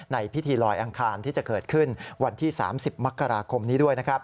พิธีลอยอังคารที่จะเกิดขึ้นวันที่๓๐มกราคมนี้ด้วยนะครับ